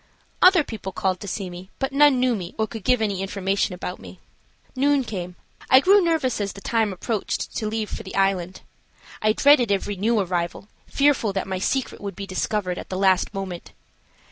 Other people called to see me, but none knew me or could give any information about me. Noon came. I grew nervous as the time approached to leave for the Island. I dreaded every new arrival, fearful that my secret would be discovered at the last moment.